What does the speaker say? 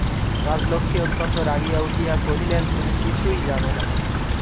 রাজলক্ষ্মী অত্যন্ত রাগিয়া উঠিয়া কহিলেন, তুমি কিছুই জান না!